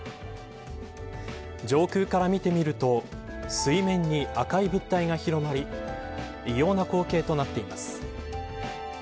上空から見てみると水面に赤い物体が広がり異様な光景となっています。